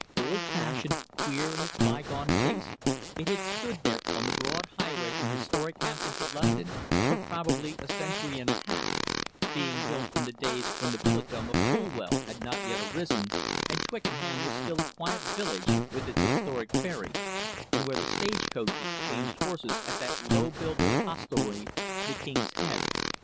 Old fashioned, queer in its bygone taste, it had stood there on the broad highway from historic Hampton to London for probably a century and a half, being built in the days when the villadom of Fulwell had not yet arisen, and Twickenham was still a quiet village with its historic ferry, and where the stage coaches changed horses at that low built old hostelry, the King's Head.